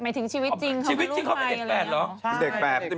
หมายถึงชีวิตจริงชีวิตจริงเขาเป็นเด็กแฝดหรือ